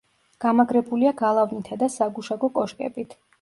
გამაგრებულია გალავნითა და საგუშაგო კოშკებით.